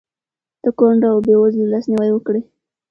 د کونډو او بېوزلو لاسنیوی وکړئ.